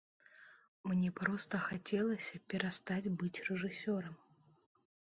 Мне проста хацелася перастаць быць рэжысёрам.